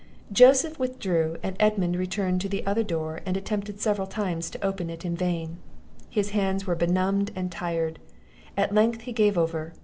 Joseph withdrew, and Edmund returned to the other door, and attempted several times to open it in vain; his hands were benumbed and tired; at length he gave over.